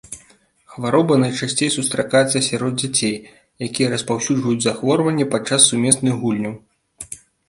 Хвароба найчасцей сустракаецца сярод дзяцей, якія распаўсюджваюць захворванне падчас сумесных гульняў.